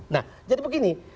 nah jadi begini